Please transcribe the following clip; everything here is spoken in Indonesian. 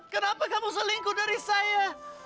kenapa kamu selingkuh dari saya